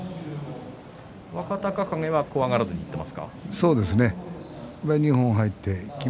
若隆景は怖がらずにいっていますか。